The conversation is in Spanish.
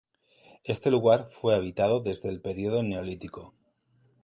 Este lugar fue habitado desde el periodo Neolítico.